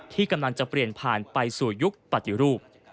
ที่กำลังจะเปลี่ยนผ่านไปสู่ยุคปฏิรูป